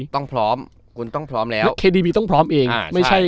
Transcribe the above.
ต้องพร้อมคุณต้องพร้อมแล้วต้องพร้อมเองอ่าใช่ไม่ใช่